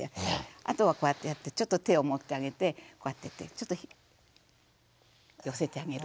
あとはこうやってやってちょっと手を持ってあげてこうやってちょっと寄せてあげる。